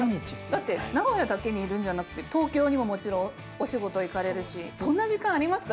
だって名古屋だけにいるんじゃなくて東京にももちろんお仕事行かれるしそんな時間ありますか？